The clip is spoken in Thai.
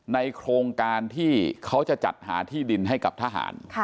ในโครงการที่เขาจะจัดหาที่ดินให้กับทหาร